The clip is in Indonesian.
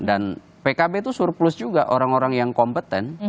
dan pkb itu surplus juga orang orang yang kompeten